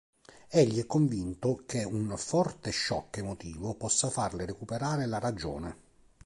Egli è convinto che un forte choc emotivo possa farle recuperare la ragione.